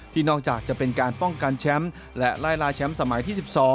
นอกจากจะเป็นการป้องกันแชมป์และไล่ล่าแชมป์สมัยที่๑๒